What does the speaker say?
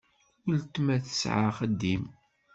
Weltma tesɛa axeddim.